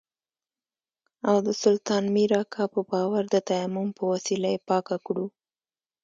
او د سلطان مير اکا په باور د تيمم په وسيله يې پاکه کړو.